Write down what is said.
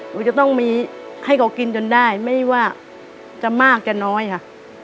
หนูจะต้องมีให้เขากินจนได้ไม่ว่าจะมากจะน้อยค่ะ